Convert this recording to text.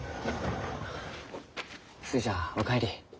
寿恵ちゃんお帰り。